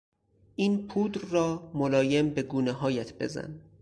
این پودر را ملایم به گونههایت بزن.